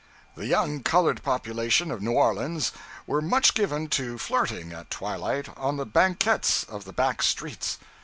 The young colored population of New Orleans were much given to flirting, at twilight, on the banquettes of the back streets.